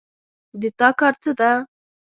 د تا کار څه ده